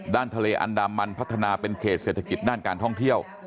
ทะเลอันดามันพัฒนาเป็นเขตเศรษฐกิจด้านการท่องเที่ยว